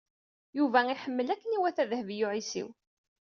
Yuba iḥemmel akken iwata Dehbiya u Ɛisiw.